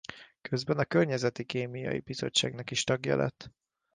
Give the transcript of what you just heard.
Közben a Környezeti Kémiai Bizottságnak is tagja lett.